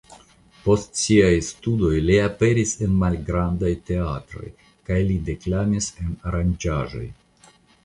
Post siaj studoj li aperis en malgrandaj teatroj kaj li deklamis en aranĝaĵoj.